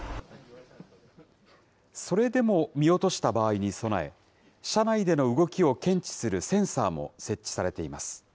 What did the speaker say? それでも見落とした場合に備え、車内での動きを検知するセンサーも設置されています。